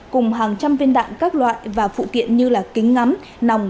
cùng hàng trăm viên đạn các loại và phụ kiện như là kính ngắm nòng